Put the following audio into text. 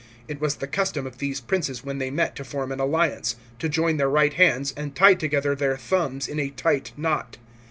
It was the custom of these princes when they met to form an alliance, to join their right hands and tie together their thumbs in a tight knot.